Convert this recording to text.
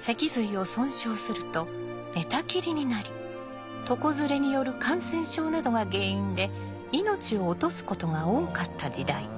脊髄を損傷すると寝たきりになり床ずれによる感染症などが原因で命を落とすことが多かった時代。